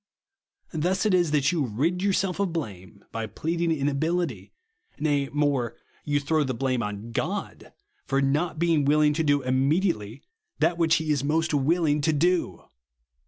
Thus it is that you rid yourself of blame by pleading inability ; nay more, vou throw the blame on God, for not bein^^ willing to do immediately that v/hich he is most willing to do.